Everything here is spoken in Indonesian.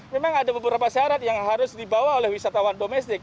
memang ada beberapa syarat yang harus dibawa oleh wisatawan domestik